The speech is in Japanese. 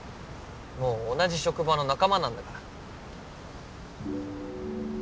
もう同じ職場の仲間なんだから。